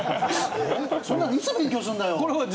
そんなのいつ勉強するんだよ。